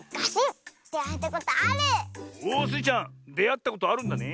おっスイちゃんであったことあるんだね。